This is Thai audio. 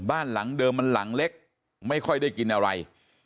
บ้านหลังเดิมมันหลังเล็กไม่ค่อยได้กินอะไร